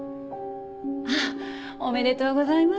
あっおめでとうございます。